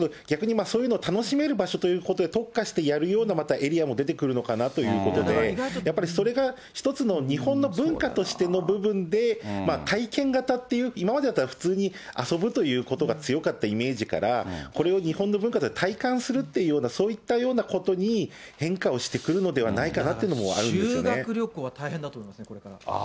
逆にそういうのを楽しめる場所ということで、特化してやるようなまた、エリアも出てくるのかなということで、やっぱりそれが一つの日本の文化としての部分で、体験型っていう、今までだったら普通に遊ぶということが強かったイメージから、これを日本の文化として体感するというような、そういったようなことに変化をしてくるのではないかなっていうの修学旅行は大変だと思いますね、これから。